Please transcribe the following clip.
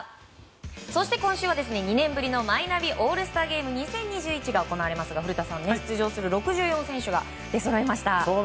そして今週は２年ぶりのマイナビオールスターゲーム２０２１が行われますが、古田さん出場する６４選手が出そろいました。